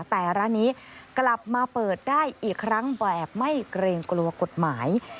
แต่ร้านนี้กลับมาเปิดได้อีกครั้งแบบไม่เกรงกลัวกฎหมาย